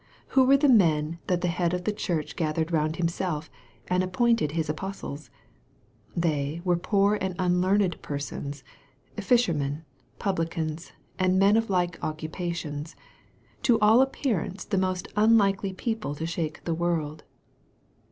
Who were the men that the Head of the Church gathered round Himself, and appointed His apostles ? They were poor and unlearned persons fishermen, publicans, and men of like occupations, to all appearance the most unlikely people to shake the world.